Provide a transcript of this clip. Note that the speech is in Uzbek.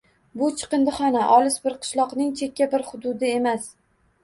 Bu chiqindixona olis bir qishloqning chekka bir hududi emas.